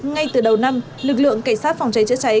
ngay từ đầu năm lực lượng cảnh sát phòng cháy chữa cháy